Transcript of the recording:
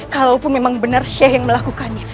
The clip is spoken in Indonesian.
kalaupun memang benar syekh yang melakukannya